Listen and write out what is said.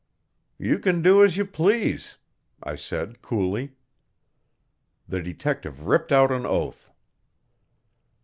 "You can do as you please," I said coolly. The detective ripped out an oath.